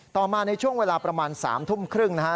ต่อมาในช่วงเวลาประมาณ๓ทุ่มครึ่งนะฮะ